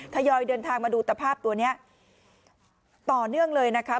ยอยเดินทางมาดูตภาพตัวนี้ต่อเนื่องเลยนะคะ